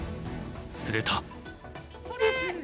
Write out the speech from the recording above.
すると。